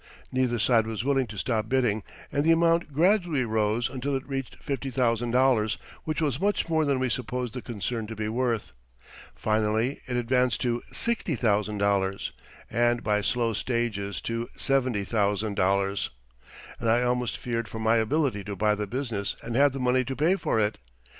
Neither side was willing to stop bidding, and the amount gradually rose until it reached $50,000, which was much more than we supposed the concern to be worth. Finally, it advanced to $60,000, and by slow stages to $70,000, and I almost feared for my ability to buy the business and have the money to pay for it.